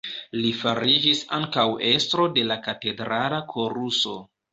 Li fariĝis ankaŭ estro de la katedrala koruso.